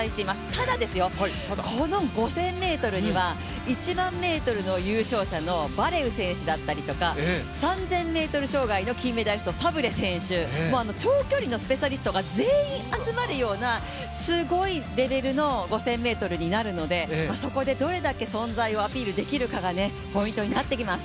ただ、この５０００ｍには１００００ｍの優勝者のバレウ選手だったりとか、３０００ｍ障害の金メダリストサブレ選手、長距離のスペシャリストが全員、集まるようなすごいレベルの５０００ｍになるので、そこでどれだけ存在をアピールできるかがポイントになってきます。